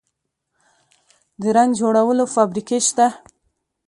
د رنګ جوړولو فابریکې شته؟